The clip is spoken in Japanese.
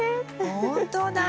ほんとだ！